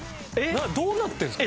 どうなってるんですか？